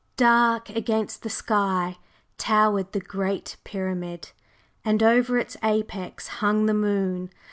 /Dark/ against the sky towered the Great Pyramid, and over its apex hung the moon.